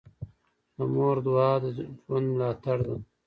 د مور دعا د ژوند ملاتړ ده.